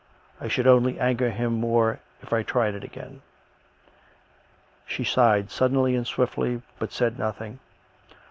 I should only anger him more if I tried it again." She sighed suddenly and swiftly, but said nothing.